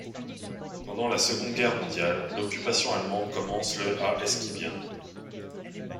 Pendant la Seconde Guerre mondiale, l'occupation allemande commence le à Esquibien.